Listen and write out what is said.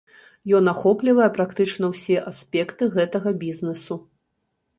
Ён ахоплівае практычна ўсе аспекты гэтага бізнэсу.